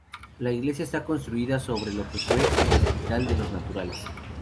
La iglesia está construida sobre lo que fue el Hospital de los Naturales.